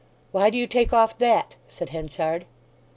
"Why do you take off that?" said Henchard.